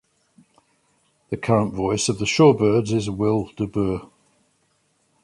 The current voice of the Shorebirds is Will DeBoer.